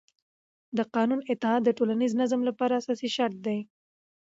د قانون اطاعت د ټولنیز نظم لپاره اساسي شرط دی